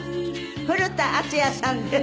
古田敦也さんです。